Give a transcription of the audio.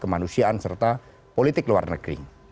kemanusiaan serta politik luar negeri